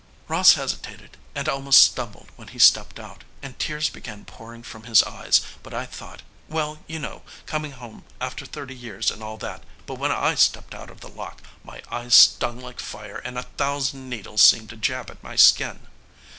"Ross hesitated and almost stumbled when he stepped out, and tears began pouring from his eyes, but I thought well, you know, coming home after thirty years and all that. But when I stepped out of the lock, my eyes stung like fire and a thousand needles seemed to jab at my skin.